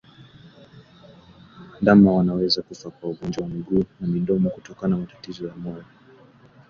Ndama wanaweza kufa kwa ugonjwa wa miguu na midomo kutokana na matatizo ya moyo